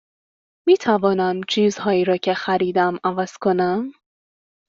می توانم چیزهایی را که خریدم عوض کنم؟